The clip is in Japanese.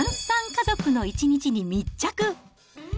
家族の一日に密着。